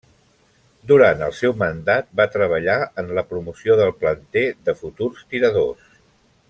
Durant el seu mandat va treballar en la promoció del planter de futurs tiradors.